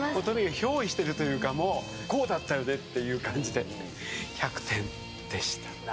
とにかく憑依してるというかもうこうだったよねっていう感じで１００点でした。